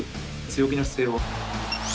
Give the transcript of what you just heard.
強気の姿勢を。